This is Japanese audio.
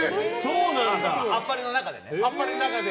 「あっぱれ」の中でね。